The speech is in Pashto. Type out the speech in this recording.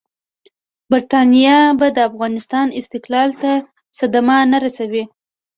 برټانیه به د افغانستان استقلال ته صدمه نه رسوي.